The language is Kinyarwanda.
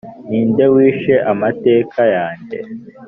ninde wishe amateka yanjye?